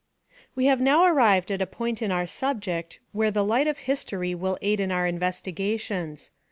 We have now arrived at a point in our subject wliere the light of history will aid in our investiga tions.